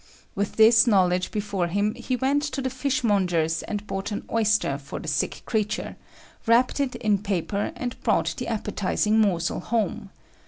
With this knowledge before him he went to the fishmonger's and bought an oyster for the sick creature, wrapped it in paper and brought the appetising morsel home.